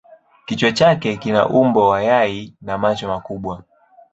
Kichwa chake kina umbo wa yai na macho makubwa.